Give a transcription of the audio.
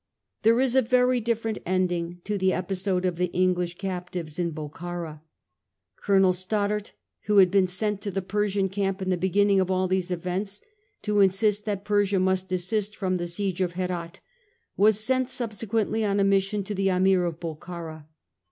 There is a very different ending to the episode of the English captives in Bokhara. Colonel Stoddart, who had been sent to the Persian camp in the begin ning of all these events to insist that Persia must desist from the siege of Herat, was sent subsequently on a mission to the Ameer of Bokhara.